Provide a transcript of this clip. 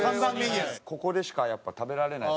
ここでしかやっぱ食べられない。